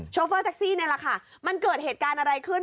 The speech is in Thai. โฟเฟอร์แท็กซี่นี่แหละค่ะมันเกิดเหตุการณ์อะไรขึ้น